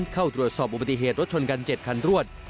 เข้าตรวจสอบอุบัติเหตุรถชนกัน๗คันรวด